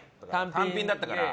単品だったから。